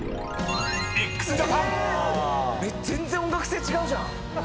全然音楽性違うじゃん！